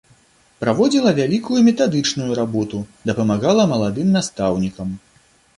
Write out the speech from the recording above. Праводзіла вялікую метадычную работу, дапамагала маладым настаўнікам.